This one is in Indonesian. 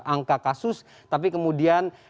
angka kasus tapi kemudian